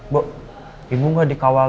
bu ibu gak dikawal